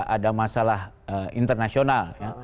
ada masalah internasional